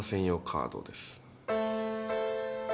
カードです。